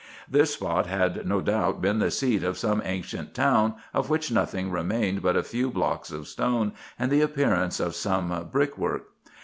This spot had no doubt been the seat of some ancient town, of which nothing remained but a few blocks of stone, and the appearance of some brick work.